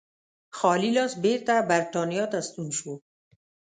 خالي لاس بېرته برېټانیا ته ستون شو.